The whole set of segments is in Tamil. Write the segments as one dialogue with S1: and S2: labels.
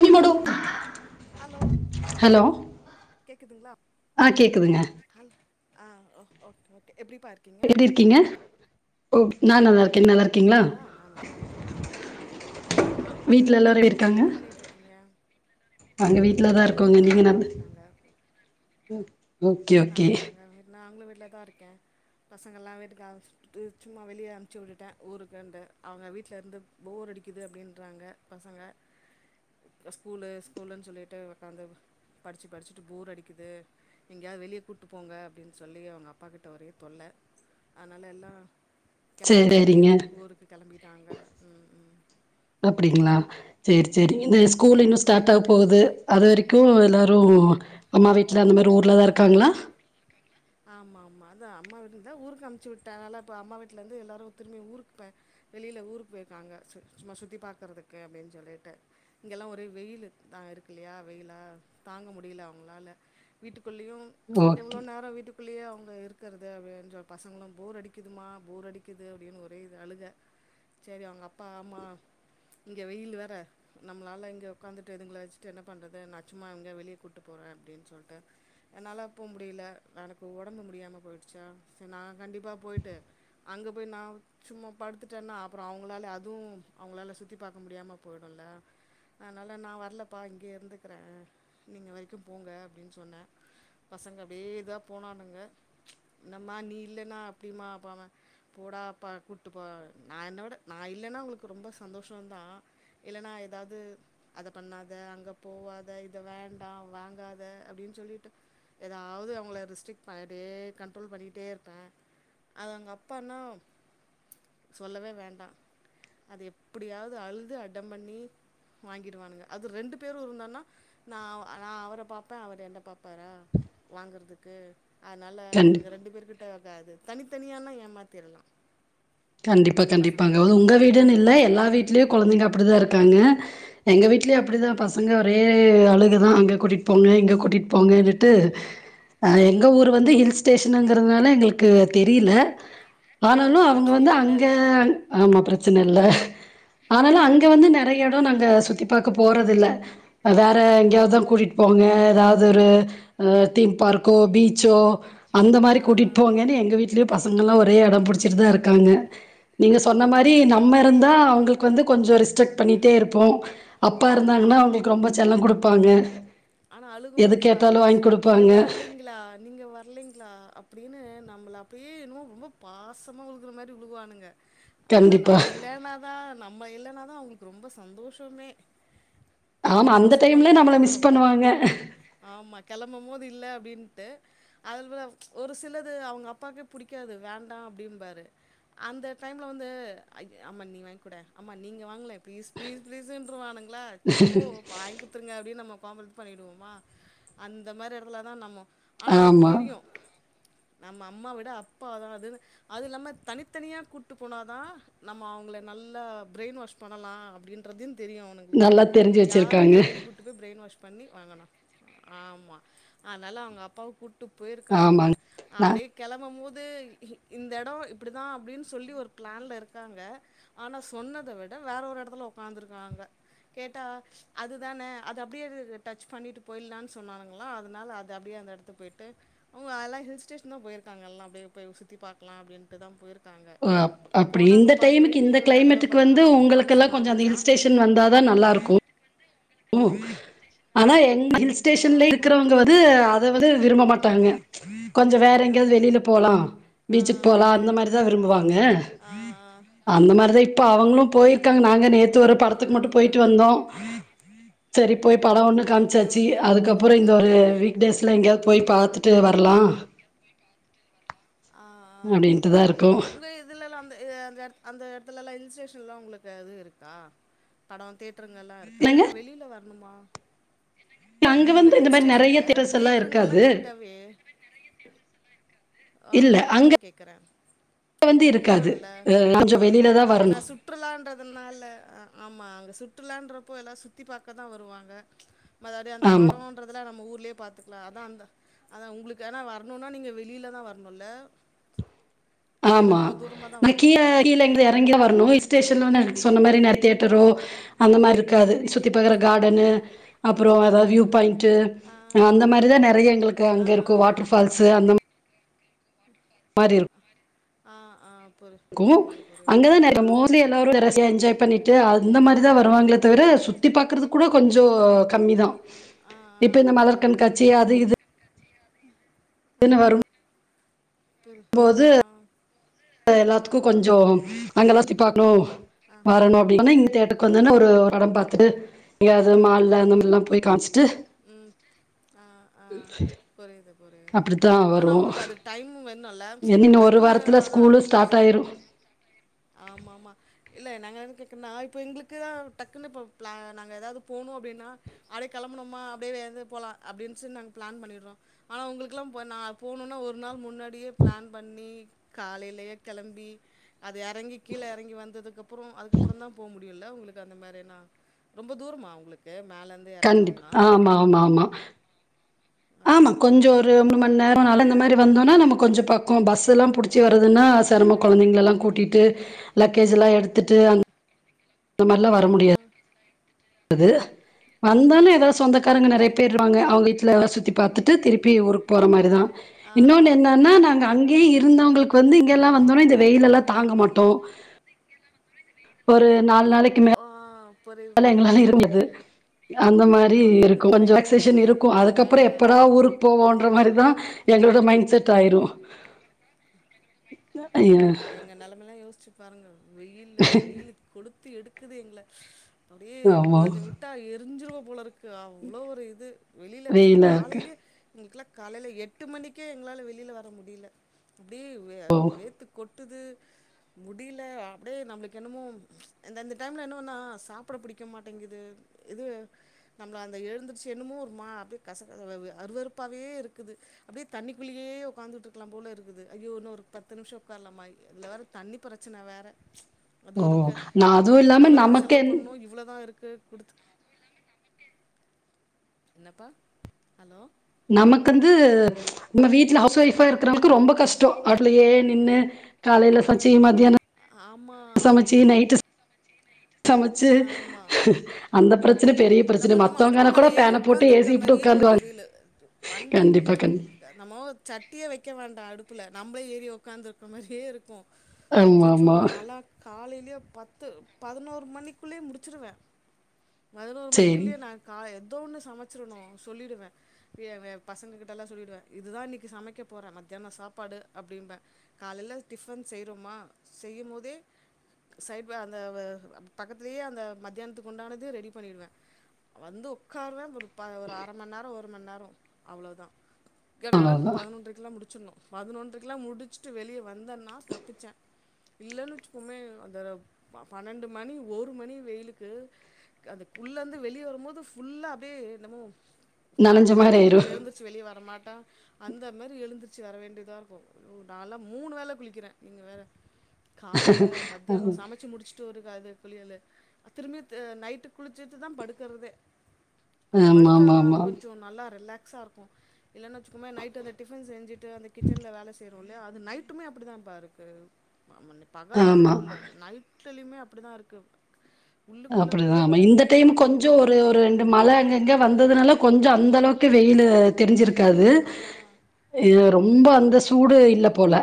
S1: கீமடு
S2: ஹலோ
S1: ஹலோ
S2: கேக்குதுங்களா
S1: ஆ கேக்குதுங்க
S2: ஹல் ஆ ஓகே ஓகே எப்டிப்பாருக்
S1: எப்டி இருக்கீங்க ஓக் நா நல்லா இருக்கே நல்லா இருக்
S2: ஆ நா நல்லாருக்கேன்ப்பா ஆ நல்லா
S1: வீட்டில்
S2: இருக்கேன்ப்பா என்ன பண்ணிட்ருக்கீங்க
S1: நாங்க வீட்லதா இருக்கோங்க நீங்க
S2: நல்லா
S1: நல்ல
S2: இருக்காங்க நாங்களாங்க வ நாங்களு வீட்லதா இருக்கே பசங்கள்லா வீட்டுக்கா து சும்மா வெளிய அனுப்ச்சி விட்டுட்டே ஊருக்கு இந்த அவங்க வீட்ல இருந்து போர் அடிக்குது அப்டின்றாங்க பசங்க த ஸ்கூலு ஸ்கூலுன்னு சொல்லிட்டு உக்காந்து படிச்சு படிச்சுட்டு போர் அடிக்குது எங்கேயாவது வெளிய கூட்டுப் போங்க அப்டின்னு சொல்லி அவுங்க அப்பாக்கிட்ட ஒரே தொல்ல அதுனால எல்லா
S1: சரி
S2: கெளம்பிட்டாங்க
S1: சரிங்க
S2: ஊருக்கு கெளம்பிட்டாங்க ம் ம்
S1: அப்பிடிங்களா சேரி சேரி இந்த ஸ்கூல் இன்னு ஸ்டார்ட் ஆக போகுது அது வரைக்கு எல்லார் ரு
S2: ஆ
S1: அம்மா வீட்டில அந்த மாரி ஊர்ல தா
S2: ஆ
S1: இருக்காங்களா
S2: ஆமா ஆமா அதா அம்மா வீட்டுலருந்தா ஊருக்கு அம்ச்சி விட்டனாலே இப்ப அம்மா வீட்டுல இருந்து எல்லாரு திரும்பி ஊருக்குப் பேக் வெளியில ஊருக்கு போயிருக்காங்க சு சும்மா சுத்தி பாக்குறதுக்கு அப்பிடின்னு சொல்லிட்டு இங்கெல்லா ஒரே வெயிலு தா இருக்கு இல்லையா வெயிலா தாங்க முடியல அவங்களால வீட்டுக்குள்ளயு
S1: ஓகே
S2: எவ்வளோ நேரம் வீட்டுக் குள்ளயே அவுங்க இருக்கிறது அப்பிடின்ற பசங்களு போர் அடிக்குதும்மா போர் அடிக்குது அப்பிடின்னு ஒரே இது அழுக செரி அவுங்க அப்பா ஆமா இங்க வெயிலு வேற நம்மளால இங்க உக்காந்துட்டு இதுங்கள வச்சுட்டு என்ன பண்றது நான்ச் சும்மா எங்கயா வெளியே கூட்டு போறேன் அப்பிடின்னு சொல்ட்டு என்னால போ முடியல நடக்க எனக்கு ஒடம்பு முடியாம போயிடுச்சா செரி நா கண்டிப்பா போயிட்டு அங்கே போய் நா சும்மா படுத்துட்டேன்னா அப்புறம் அவங்களால அதுவு அவங்களால சுத்தி பாக்க முடியாம போயிடுல அதனால நா வரலப்பா இங்கேயே இருந்துக்கிறே நீங்க வைக்கும் போங்க அப்பிடின்னு சொன்னே பசங்க அப்டியே இதாப் போனானுங்க என்னம்மா நீ இல்லன்னா எப்டிமா அப்பாவ போடாப்ப கூட்டு போ நா என்னோட நா இல்லன்னா உங்களுக்கு ரொம்ப சந்தோஷம தா இல்ன்னா ஏதாது அத பண்ணாத அங்க போவாத இத வேண்டா வாங்காத அப்டின்னு சொல்லிட்டு ஏதாவது அவங்கள ஸ் ட்டிக் பண்ணிட்டே கண்ட்ரேல் பண்ணிட்டே இருப்பே அது அவங்க அப்பானா சொல்லவே வேண்டா அது எப்டியாவது அழுது அட்டம் பண்ணி வாங்கிடுவானுங்க அது ரெண்டு பேரு இருந்தோன்னா நா அவ நா அவர பாப்பே அவரு என்ன பாப் பாரா வாங்கறதுக்கு அதனால
S1: கண்டி
S2: இவங்க ரெண்டு பேரு கிட்ட இருக்காது தனித்தனியானா ஏமாத்திரலா
S1: கண்டிப்பா
S2: பசங்க
S1: கண்டிப்பாங்க அது உங்க வீடுன்னு இல்ல எல்லா வீட்லயு கொழந்தைங்க அப்டிதா இருக்காங்க எங்க வீடலயு அப்டிதான்
S2: ம்
S1: பசங்க ஓரே அழுகதா அங்கே கூட்டிகிட்டு போங்க இங்கே கூட்டிகிட்டு போங்கனுட்டு ஆ எங்க
S2: ம்
S1: ஊர் வந்து ஹில்ஸ் ஸ்டேஷன்ங்கிறதுனால எங்களுக்கு தெரியல
S2: ஓ
S1: ஆனாலு அங்க வந்து
S2: பிரச்சனையே இல்ல
S1: அங்க ஆமா பிரச்சனை இல்ல ஆனாலு அங்க
S2: ம்
S1: வந்து நெறைய எடோ நாங்க சுத்தி பாக்கப் போறதில்ல வேற
S2: ஆ
S1: எங்கேயாவதுதா கூட்டிகிட்டு போங்க ஏதாவ துதொரு அ தீம் பார்க்கோ பீச்சோ அந்த மாரி
S2: ஆ
S1: கூட்டிட்டு போங்கன்னு எங்க வீட்லயு பசங்கல்லா ஒரே அடம் பிடிச்சிட்டு தா இருக்காங்க நீங்க சொன்ன மாரி
S2: அப்டியா
S1: நம்ம இருந்தா அவங்களுக் கு வந்து கொஞ்சோ ரிஸ்ட்ரிக்ட் பண்ணிட்டே இருப்போ அப்பா
S2: ஆமா
S1: இருந்தாங்கன்னா அவங்களுக்கு ரொம்ப செல்லம் குடுப்பாங்க
S2: ஆனா அழுகும்
S1: எது
S2: போது பாருங்க
S1: கேட்டாலும் வாங்கி
S2: நீங்க
S1: குடுப்பாங்க.
S2: வரலீங்களா நீங்க வரலிங்களா அப்பிடின்னு நம்மள அப்டியே என்னமோ ரொம்ப பாசமா உழுகுற மாரி உழுகுவானுங்க ஆனா
S1: கண்டிப்பா.
S2: நம்ம இல்லேன்னாதா நம்ம இல்லேன்னாத அவங்களுக்கு ரொம்ப சந்தோஷமே ஏம் பசங்கல்லாம் ஆவட்டு ரொம்ப
S1: ஏ
S2: ஆமா கெளம்பபோது இல்ல அப்டின்னுட்டு அதல போல ஒரு சிலது அவங்க அப்பாக்கே புடிக்காது வேண்டா அப்டிம்பாரு அந்த டைம்ல வந்து அய்ய அம்மா நீ வாங்கிக்கூடே அம்மா நீங்க வாங்கலே ப்ளீஸ் ப்ளீஸ் ப்ளீஸ்ன்றுவானுங் கள சிப்போ வாங்க் குடுத்துருங்க அப்டின்னு நம்ம பார்மா பண்ணிடுவோமா அந்த மாரி எடத்துல தா நம்ம ஆனா அவங்களுக்கு
S1: ஆமா.
S2: தெரியு
S1: [inaudible]
S2: நம்ம அம்மா விட அப்பாதா அதுன்னு அது இல்லாம தனித்தனியா கூப்ட்டு போன தான் நம்ம அவுங்கள நல்ல பிரெயின் வாஷ் பண்ணலா அப்டின்றதியு தெரியு அவனுங்களுக்கு
S1: நல்லா தெரிஞ்சு
S2: யார
S1: வச்சிருக்காங்க.
S2: எப்டி கூட் டு போய் பிரைன் வாஷ் பண்ணி வாங்கனா ஆமா அதனால அவங்க அப்பா கூட் டு போயிருக்கானுங்க
S1: ஆமாங்க. நான்
S2: அப்டியே கெளம்ப போது இ இந்த எடம் இப்டி தா அப்டின்னு சொல்லி ஒரு பிளான்ல இருக்காங்க ஆனா சொன்னத விட வேற ஒரு எடத்துல உக்காந்துருக்காங்க கேட்டா அதுதான அது அப்டியே இத டச் பண்ணிட்டு போய்லான்னு சொன்னாருங்களா அதனால அது அப்டியே அந்த எடத்து போய்ட்டு அவுங்க அதல்லா ஹில் ஸ்டேஷன் தா போய்ருக்காங்க எல்லா அப்டியே போ சுத்தி பாக்குலா அப்டின்ட்டுதா போய்ரு
S1: ஓ அப்டி இந்த டைமுக்கு இந்த
S2: ஏதோ வேற ஏதோ
S1: கிளைமேட்டுக்கு வந்து
S2: பாத்தாங்க மனசு
S1: உங்கக்கெல்லா கொஞ்சோ அந்த
S2: மாறுச்சா
S1: ஹில் ஸ்டேஷன் வந்தா தா நல்லா இருக்கு ம் ஆனா எங் ஹில்ஸ் ஸ்டேஷன்ல
S2: ஆமா
S1: இருக்கிறவங்க வந்து அத வந்து விரும்ப மாட்டாங்க கொஞ்சோ வேற எங்கேயாவது வெளில போலா
S2: ஆ
S1: பீச்சுக்கு போலா
S2: புரி
S1: அந்த மாரிதா விரும்புவாங்க
S2: ஆ ஆ
S1: அந்த மாரிதா இப்போ அவுங்களு
S2: ம்
S1: போயிருக்காங்க
S2: ம்
S1: நாங்க நேத்து ஒரு
S2: புரியுது
S1: படத்துக்கு
S2: புரி
S1: மட்டு போயிட்டு வந்தோ செரி போய் படோ ஒன்னு
S2: ஓகே
S1: காமிச்சாச்சு
S2: ஓகே
S1: அதுக்கப்பறோ இந்த
S2: பரவால்ல
S1: ஒரு
S2: ம்
S1: வீக் டேஸ் ஸுல எங்கேயாவது போய் பாத்துட்டு வர்லா
S2: ஆ ஆ
S1: அப்டின்ட்டுதா இருக்கோ
S2: உங்க இதுலல்லா அந்த [unintelligible] அந்த எடத்துல எல்லா ஹில் ஸ்டேஷன்ல்லா உங்களுக்கு இது இருக்கா படோ தேட்டருங்கல்லா இருக்கா
S1: என்னங்க
S2: இல்ல வெளில வர்ணுமா
S1: அங்க
S2: உங்க
S1: வந்து இந்த
S2: ஹில்
S1: மாரி நெறைய
S2: ஸ்டேஷன்ல
S1: தியேட்டர்ஸ் எல்லா
S2: தேட்டருங்கல்லா
S1: இருக்காது
S2: கிட்டவே ஆ
S1: இல்ல
S2: ஆ அத
S1: அங்க
S2: கேட்குறே
S1: வந்து இருக்காது
S2: ரொம்பல்ல
S1: கொஞ்சோ வெளியிலதா
S2: ஆ ஏன்னா
S1: வரணு
S2: சு சுற்றுலன்றதுனால அ ஆமா அங்க சுற்றுலறப்போ எல்லா சுத்தி பாக்க தா வருவாங்க மத்தடி அந்த
S1: ஆமா
S2: படோ மற்றதேலா நம்ம ஊர்லே பாத்துக்கலா அதா அந்த அதா உங்களுக்கு என வர்ணுனா நீங்க வெளில தா வர் ணுல்ல
S1: ஆமா
S2: தா
S1: இங்க கீழ
S2: வரணுல்ல
S1: கீழ [unintelligible]
S2: ம்
S1: இறங்கிதா
S2: ம்
S1: வர்னு இல்ஸ்ஷேடன் வந்து சொன்ன மாரி நெற தேட்டரோ அந்த மாரி இருக்காது சுத் திபாக்கற
S2: ஆ
S1: காடனு அப்றோ எதாவுது வியூ பாயிண்ட் டு
S2: ஆ
S1: அந்த மாரிதா நெறைய எங்களுக்கு
S2: ஆ
S1: அங்க இருக்கு வாட்டர்பால்ஸ் அந்த மாரி இருக்
S2: ஆ ஆ புரி புரியுது புரியுது
S1: அங்கதா
S2: ஆ
S1: நெறைய [unintelligible] என்ஜாய் பண்ணிட்டு அந்த மாரி தா வருவங்களே தவிர சுத்தி பாக்கறது கூட கொஞ்சோ கம்மி தா
S2: ம் ஆ ஆ
S1: இப்ப இந்த மலர்
S2: புரியுது
S1: கண்காட்சி அது இது
S2: ஆ
S1: துன்னு வரு
S2: புரி
S1: போது
S2: ஆ
S1: மத்த
S2: ஆ
S1: எல்லாத்துக்கு கொஞ்சோ அங்கெல்லா சுத்தி பாக்கணு வரணு [unintelligible] தேட்டுக்கு வந்தே ஒரு படோ பாத்துட்டு இங்க
S2: ஆ
S1: அது மால்ல அந்த மார்ல்லா போய் காமிச்சுட்டு
S2: ம் ஆ ஆ புரியுது புரியுது
S1: அப்டித்தா
S2: ஆனா
S1: வருவோ
S2: உங்களுக்கு அது டைமு வேணுல்ல
S1: இன்னு ஒரு
S2: டக்குன்னு
S1: வாரத்துல
S2: அதா
S1: ஸ்கூலு ஸ்டார்ட் ஆயிரு
S2: ஆமா ஆமா இல்ல நாங்க என்னத்து கேக்குன்னா இப்ப எங்களுக்குதா டக்குன்னு இப்ப பிளான் நாங்க ஏதாவ்து போனு அப்டின்னா அப்டியே கெம்புணுமா அப்டிவேறது போலா அப்டின்னு [unintelligible] நாங்க பிளான் பண்ணிடுறோ ஆனா உங்களுக்கெல்லா போனா போனும்னா ஒரு நாள் முன்னாடியே பிளான் பண்ணி காலையிலயே கிளம்பி அது எறங்கி கீழ எறங்கி வந்ததுக்கப்றோ அதுக்கப்பறந்தா போக முடியு முடியுல்ல உங்களுக்கு அந்த மாரின ரொம்ப தூரமா உங்களுக்கு மேல இருந்து
S1: கண்டிப் ஆமா ஆமா ஆமா ஆமா
S2: அச்சோ
S1: கொஞ்ச
S2: பாரா
S1: ஒரு மூணுமண்
S2: அதா
S1: நேரோ நடந்த மாரிந்தோம்ன்னா நம்ம கொஞ்ச பக்கோ பஸ்ல்லா புடுச்சு வருதுன்னா
S2: அப்பாடி
S1: செரமோ கொழந்தைங்கள்லா கூட்டிட்டு லக்கேஜ் எல்லா எடுத்துட்டு அந்த மாரிலா வர
S2: ஆ
S1: முடியா து வந்தாலு ஏதாவது
S2: அச்சச்சோ ரொம்ப
S1: சொந்தக்காரங்க நெறைய
S2: கஷ்டோ
S1: பேர் இருப்பாங்க அவுங்க வீட்லல்லா சுத்தி பாத்துட்டு திருப்பி ஊருக்கு போற மாரிதா
S2: ஆ
S1: இன்னொன்னு
S2: ஆ
S1: என்னன்னா நாங்க அங்கேயே இருந்தவங்களுக்கு வந்து
S2: ஓ
S1: இங்கெல்லா
S2: அந்த
S1: வந்தோன இந்த வெயிலல்லா தாங்க மாட்டோ ஒரு நாலு நாளைக்கி மே
S2: ஆ புரியுது
S1: ல
S2: புரியுது
S1: எங்களால இருக்க முடியாது அந்த மாரி
S2: அப்பா
S1: இருக்கு கொஞ்ச
S2: நீங்க
S1: ரிலாக்ஸ்சேசன் இருக்கு
S2: அப்ப நாங்க
S1: அதுக்கப்பறோ எப்படா ஊருக் போவோன்ற மாதிரிதா எங்களோட மைண்ட் செட் ஆயிரு ஐய்ய
S2: அப்ப எங்க நெலமையெல்லா யோசிச்சு பாருங்க வெயில் வெயிலு கொளுத்தி எடுக்குது எங்கள அப்டியே
S1: ஆமா.
S2: கொஞ்ச விட்டா எரிஞ்சிருவோ போல இருக் கு அவ்ளோ ஒரு இது வெளில இப்பப
S1: வெயிலா இருக்கு.
S2: காலையிலே எங்களுக்கெல்லா காலையில எட்டு மணிக்கே எங்களால வெளில வர முடில அப்டியே வே வேத்து கொட்டுது முடில அப்டியே நம்ளுக்கு என்னமோ இந்தந்த டைம்ல என்ன ஒன்னா சாப்ட பிடிக்க மாட்டேங்குது இது நம்மள அந்த எழுந்திரிச்சு என்னுமோ வருமா அப்டியே கசக்கச அருவருப்பாவே இருக்குது அப்டியே தண்ணிக்குள்ளேயே உட்கந்துட்டு இருக்கலா போல இருக்குது ஐயோ இன்ன ஒரு பத்து நிமிஷம் உக்கரலாமா இதுல வேற தண்ணி பிரச்சன வேற அது
S1: ஓ
S2: இருக்க
S1: நா
S2: ஐயோ
S1: அதுவு இல்லாம
S2: இவ்ளோதா செலவு
S1: நமக்கென்
S2: பண்ணு இவ்ளோதா இருக்கு குடுத்துக் என்னப்பா ஹலோ
S1: நமக்கு வந்து நம்ம வீட்ல ஹவுஸ் ஒய்ஃபா இருக்கிறவங்களுக்கு ரொம்ப கஷ்டோ ஹோட்லயே நின்னு காலைல சமச்சி மதியான
S2: ஆமா
S1: சமச்சி நைட்டு சம சமச்சு
S2: ஆமாம்
S1: அந்த பிரச்சன
S2: ஆமா
S1: பெரிய பிரச்சன
S2: நம்ம நம்ம அடுப்பு
S1: மத்தவங்கனா
S2: மேல
S1: கூட
S2: ஏறி
S1: ஃபேன போட்டு
S2: உக்காந்துருக்க
S1: ஏசிபோட்டு
S2: மாரியே ஒரு
S1: உக்காந்துருவாங்க கண்டிப்பா கண்டிப்பா
S2: நம்மோ சட்டிய வக்க வேண்டா அடுப்புல நம்லே ஏறி உக்காந்துருக்க மாரியே இருக்கு
S1: ஆமா
S2: அச்சோச்சோ
S1: ஆமா
S2: நாலா காலைலே பத்து பதினோரு மணிக்குள்ளே முடிச்சுருவே பதினோரு
S1: சேரி
S2: மணிக்குள்ளே நா காலை எதோ ஒன்னு சமச்சுரணு சொல்லிடுவே ஃப்ரீயாவே பசங்க கிட்டல்லா சொல்லிடுவே இதுதா இன்னைக்கி சமைக்க போறே மத்தியான சாப்பாடு அப்டிம்பே காலைல டிஃபன் செய்றோமா செய்யும் போதே சைடுவே அந்த வ பக்கத்திலயே அந்த மத்தியானத்துக்கு உண்டானது ரெடி பண்ணிடுவே வந்து உக்காருவே ஒரு ப அர மண் நேர ஒரு மணி நேரோ அவ்ளதா கட கடன்னு
S1: அவ்ளோதா
S2: பதினொன்றக்கெல்லா முடிச்சுர்னு பதினொன்றக்கெல்லா முடி ச்சுட்டு வெளியே வந்தேன்னா தப்பிச்சே இல்லன்னு வச்சுக்கோமே அந்த பனெண்டு மணி ஒரு மணி வெயிலுக்கு அதுகுள்ள இருந்து வெளிய வரும்போது ஃபுல்லா அப்டியே என்னமோ க
S1: நனஞ்ச மாரி
S2: குளத்துக்குள்ள
S1: ஆயிரு
S2: எப்டி எழுந்திரு ச்சு வெளிய வரமாட்டோ அந்த மாரி எழுந்துருச்சு வர வேண்டியதா இருக்கு நாலா மூணு வேல குளிக்கிறே நீங்க வேற காலேல மத்தியானோ சமச்சு முடிச்சிட்டு ஒருக்கா குளியலு திரும்பி நைட்டு குளிச்சுட்டு தா படுக்குறதே அப்படி
S1: ஆமா
S2: படுத்தா
S1: ஆமா
S2: தா அது
S1: ஆமா
S2: கொஞ்ச நல்லா ரிலாக்ஸாக இருக்கு இல்லன்ன வச்சுக்கவெ நைட் அந்த டிஃபன் செஞ்சுட்டு அந்த கிச்சனல வேலை செய்ரோ இல்லையா அது நைட்டுமே அப்டிதாப்பா இருக்கு பகல் மட்டு
S1: ஆமா
S2: இல்ல நைட்லயுமே அப்டிதா இருக்கு உள்ளுக்குள்ள போக்
S1: ம இந்த டைம் கொஞ்சோ ஒரு ஒரு ரெண் மழ அங்கங்க வந்ததுனால கொஞ்சோ அந்த அளவுக்கு வெயிலு தெரிஞ்சிருக்காது
S2: ஆ ஆ.
S1: இது ரொம்ப அந்த சூடு இல்ல போல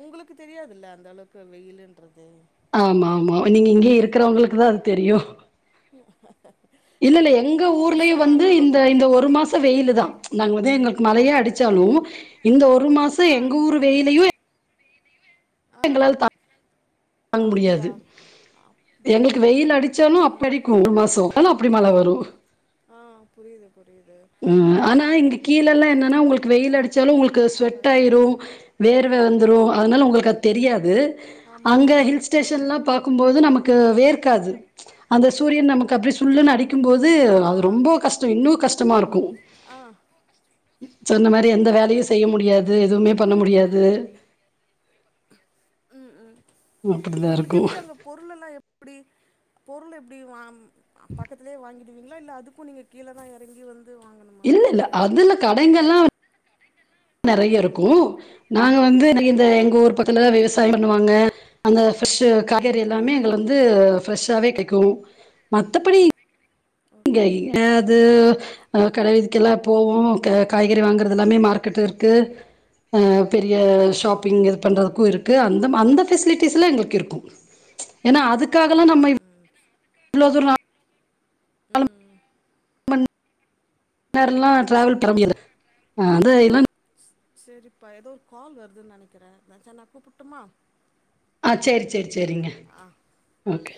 S2: உங்களுக்கு தெரியாதுல்ல அந்த அளவுக்கு வெயிலுன்றது
S1: ஆமா ஆமா நீங்க இங்கயே இருக்கிறவங்களுக்குதா அது தெரியு
S2: [unintelligible]
S1: இல்ல இல்ல
S2: அதான்
S1: எங்க ஊர்லயு
S2: புதுசாக
S1: வந்து
S2: நாங்கள்
S1: இந்த
S2: வர்றப்போ
S1: இந்த ஒரு மாச இங்க வெயிலுதா நாங்க வந்து எங்களுக்கு மழயே அடிச்சாலு இந்த ஒரு மாசோ
S2: ஆ
S1: எங்க ஊர் வெயிலயு
S2: ஆ
S1: தாங்க
S2: அப்படியா
S1: முடியாது எங்களுக்கு
S2: அச்சோ
S1: வெயில் அடிச்சாலு அப்ப
S2: ம்
S1: அடிக்கு மூணு மாசோ போல அப்டி மழ வரு
S2: ஆ புரியுது புரியுது
S1: உ ஆனா இங்க கீழல்லா என்னன்னா
S2: அப்பா
S1: உங்களுக்கு வெயில்
S2: பரவால்ல
S1: அடிச்சாலு
S2: நல்லா
S1: உங்களுக்கு
S2: இதுல தான்ப்பா
S1: ஸ்வெட் ஆய்ரு
S2: இருக்கீங்க போங்க
S1: வேர்வ வந்துரு அதுனால உங்களுக்கு அது தெரியாது
S2: ஆமா
S1: அங்க ஹில் ஸ்டேஷன்ல்லா பாக்குபோது நமக்கு
S2: ஆ
S1: வேர்க்காது அந்த சூரியன் நமக்கு அப்டி சுல்லுனு அடிக்குபோது
S2: ஆ
S1: அது
S2: ஆ
S1: ரொம்ப கஷ்ட இன்னு கஷ்ட ஷ்டமா இருக்கு
S2: ஆ
S1: சொன்னமாரி எந்த
S2: ஆ
S1: வேலயு செய்ய முடியாது அது எதுமே பண்ண முடியாது
S2: உ உ
S1: அப்டிதா
S2: உங்களுக்கு
S1: இருக்கு
S2: எப்டி அங்க பொருளெல்லா எப்டி பொருள் எப்படி வாங் பக்கத்திலயே வாங்கிடுவீங்களா இல்ல அதுக்கு நீங்க கீழ தா எறங்கி வந்து வாங்கணு
S1: இல்ல இல்ல அதுல கடைங்கள்ளா நெறையா
S2: ஆ
S1: இருக்கு நாங்க வந்து
S2: ஆ
S1: இந்த எங்க ஊர் பக்கத்துலதா விவசாய பண்ணுவாங்க அந்த ஃப்ரெஷ் காய்கறி
S2: ஆ
S1: எல்லாமே
S2: ஆ
S1: எங்க வந்து ஃப்ரெஷ்ஷாவே கெடைக்கு மத்தபடி
S2: ஓகே
S1: என்னது கடைக்கெல்லா போவோ காய்கறி வாங்குறது அதெல்லாமே மார்க்கெட்ல இருக்கு பெரிய ஷாப்பிங் இது பண்ணுறதுக்கு இருக்கு அந்த அந்த பெசிலிட்டிஸ்ல்லா எங்களுக்கு இருக்கு ஏன்னா அதுக்காகல்லா
S2: ம்
S1: நம்ம இ
S2: ம்
S1: இவ்ளோ தூர
S2: உ
S1: மன் நேரல்லா டிராவல் பரம்பியண்டு ஹ இதல்ல
S2: சேரிப்பா ஏதோ கால் வருதுன்னு நினைக்கிறே மதநாள் நா கூப்பிட்டுமா
S1: ஆ சேரி சேரி சேரிங்க
S2: ஆ
S1: ஓகே